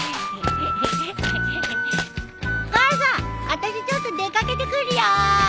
あたしちょっと出掛けてくるよ！